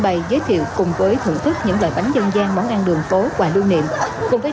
bày giới thiệu cùng với thưởng thức những loại bánh dân gian món ăn đường phố quà lưu niệm cùng với